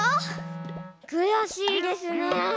くやしいですね。